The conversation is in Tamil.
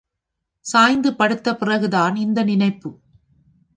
சாய்ந்து படுத்த பிறகுதான் இந்த நினைப்பு.